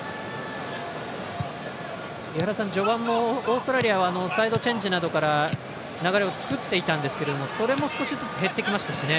序盤もオーストラリアはサイドチェンジなどから流れを作っていたんですがそれも少しずつ減ってきましたね。